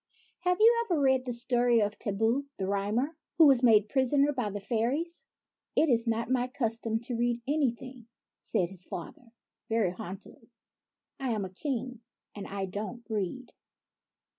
" Have you ever read the story of Thibaut, the Rhymer, who was made prisoner by the fairies ?"" It is not my custom to read anything," said his father, very haughtily. " I am a King, and I don't read."